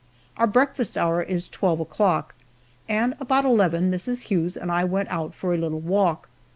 Our breakfast hour is twelve o'clock, and about eleven Mrs. Hughes and I went out for a little walk.